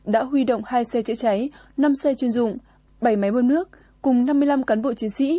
đã huy động hai xe chữa cháy năm xe chuyên dụng bảy máy bơm nước cùng năm mươi năm cán bộ chiến sĩ